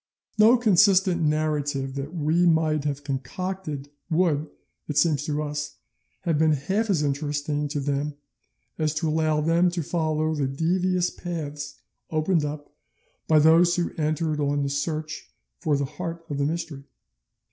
No consistent narrative that we might have concocted would, it seems to us, have been half as interesting to them as to allow them to follow the devious paths opened up by those who entered on the search for the heart of the mystery.